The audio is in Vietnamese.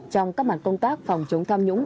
trong các mặt công tác phòng chống tham nhũng